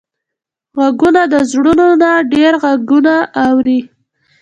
غوږونه د زړونو نه ډېر غږونه اوري